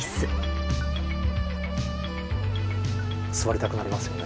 座りたくなりますよね。